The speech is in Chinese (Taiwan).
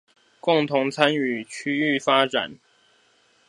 共同參與區域發展